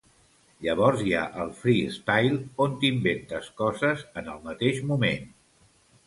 Llavors hi ha el "freestyle", on t'inventes coses en el mateix moment.